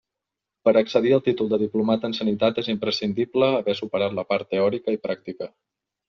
Per a accedir al títol de diplomat en Sanitat és imprescindible haver superat la part teòrica i pràctica.